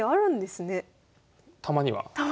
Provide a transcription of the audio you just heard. たまには。